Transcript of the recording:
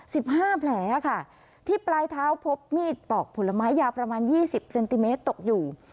สิบห้าแผลค่ะที่ปลายเท้าพบมีดปอกผลไม้ยาวประมาณยี่สิบเซนติเมตรตกอยู่